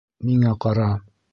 Миңә ҡара.